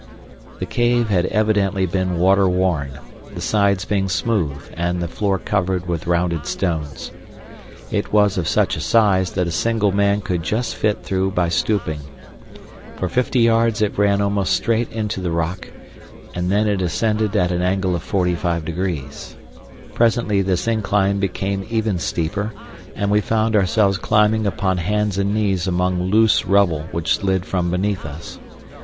The cave had evidently been water worn, the sides being smooth and the floor covered with rounded stones. It was of such a size that a single man could just fit through by stooping. For fifty yards it ran almost straight into the rock, and then it ascended at an angle of forty five. Presently this incline became even steeper, and we found ourselves climbing upon hands and knees among loose rubble which slid from beneath us.